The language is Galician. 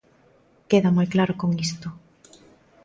Queda moi claro con isto.